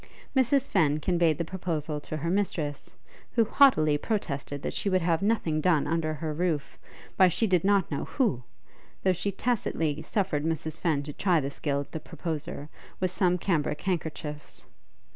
Mrs Fenn conveyed the proposal to her mistress, who haughtily protested that she would have nothing done under her roof, by she did not know who; though she tacitly suffered Mrs Fenn to try the skill of the proposer with some cambric handkerchiefs.